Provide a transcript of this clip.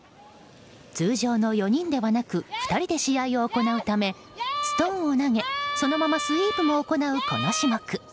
通常の４人ではなく２人で試合を行うためストーンを投げそのままスイープも行うこの種目。